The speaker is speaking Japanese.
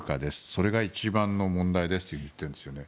それが一番の問題ですと言っているんですね。